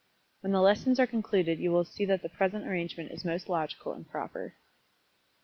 When the lessons are concluded you will see that the present arrangement is most logical and proper.